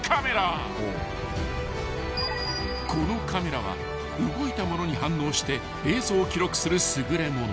［このカメラは動いた物に反応して映像を記録する優れ物］